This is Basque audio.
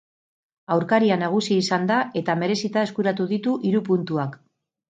Aurkaria nagusi izan da, eta merezita eskuratu ditu hiru puntuak.